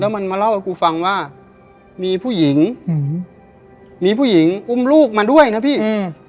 มันมาเล่าให้กูฟังว่ามีผู้หญิงอืมมีผู้หญิงอุ้มลูกมาด้วยนะพี่อืม